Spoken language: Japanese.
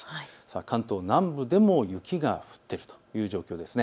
関東南部でも雪が降っているという状況です。